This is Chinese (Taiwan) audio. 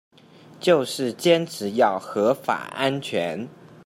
就是堅持要合法安全